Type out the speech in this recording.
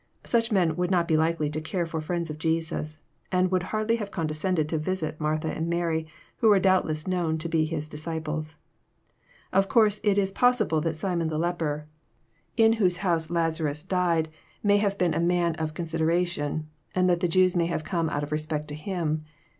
Such men would not be likely to care for friends of Jesus, and would hardly have condescended to visit Martha and Mary, who were doubtless known to be His disciples. Of course it is possible that Simon the leper, in JOHN, CHAP. XI. 259 whose honse Lazarus died, may have been a man of consldera* tion, and that the Jews may have come oat of respect to him.